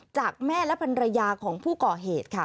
จากแม่และภรรยาของผู้ก่อเหตุค่ะ